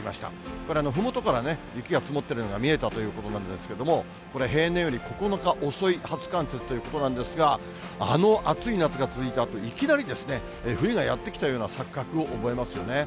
これ、ふもとから雪が積もってるのが見えたということなんですけれども、これ、平年より９日遅い初冠雪ということなんですが、あの暑い夏が続いたあと、いきなり、冬がやって来たような錯覚を覚えますよね。